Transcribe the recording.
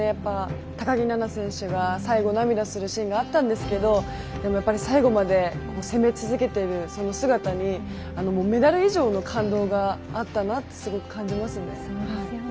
高木菜那選手が最後涙するシーンがあったんですけどでもやっぱり最後まで攻め続けている姿にメダル以上の感動があったなとすごく感じますね。